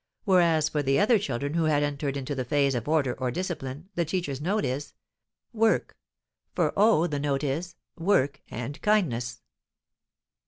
Whereas for the other children who had entered into the phase of order or discipline, the teacher's note is: "work," for O the note is: "work and kindness."